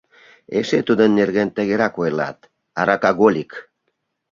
Эше тудын нерген тыгерак ойлат: аракаголик.